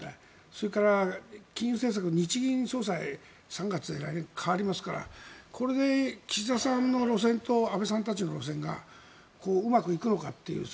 それから金融政策日銀総裁が３月に代わりますからこれで岸田さんの路線と安倍さんたちの路線がうまくいくのかっていう。